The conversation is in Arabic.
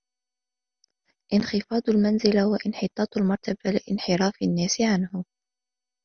انْخِفَاضُ الْمَنْزِلَةِ وَانْحِطَاطُ الْمَرْتَبَةِ لِانْحِرَافِ النَّاسِ عَنْهُ